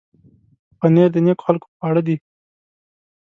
پنېر د نېکو خلکو خواړه دي.